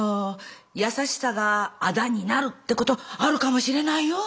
優しさが仇になるって事あるかもしれないよ。